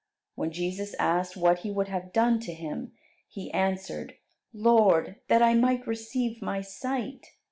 When Jesus asked what he would have done to him, he answered, "Lord, that I might receive my sight."